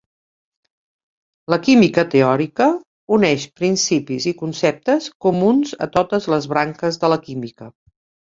La química teòrica uneix principis i conceptes comuns a totes les branques de la química.